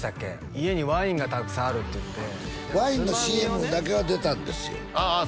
家にワインがたくさんあるって言ってワインのＣＭだけは出たんですよああああ